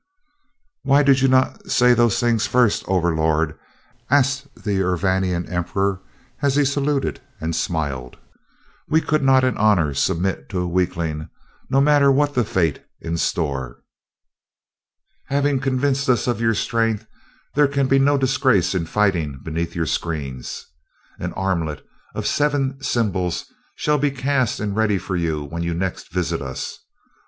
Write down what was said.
"Why did not you say those things first, Overlord?" asked the Urvanian emperor, as he saluted and smiled. "We could not in honor submit to a weakling, no matter what the fate in store. Having convinced us of your strength, there can be no disgrace in fighting beneath your screens. An armlet of seven symbols shall be cast and ready for you when you next visit us.